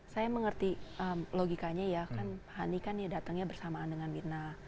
saya mengerti logikanya ya kan hani kan datangnya bersamaan dengan mirna